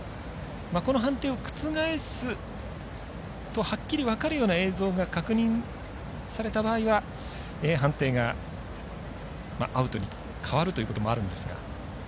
この判定を覆すとはっきり分かるような映像が確認された場合は判定がアウトに変わるということもあるんですが。